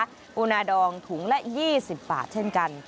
ปูนาดองถุงละ๒๐บาทเช่นกัน